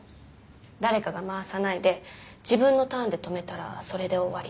誰かが回さないで自分のターンで止めたらそれで終わり。